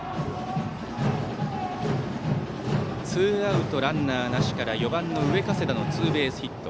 ツーアウト、ランナーなしから４番の上加世田のツーベースヒット。